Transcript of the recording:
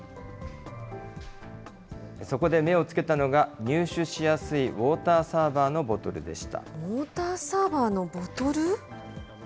そこで目をつけたのが、入手しやすいウォーターサーバーのボトルウォーターサーバーのボトル？